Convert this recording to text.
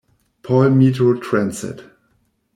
Paul Metro Transit.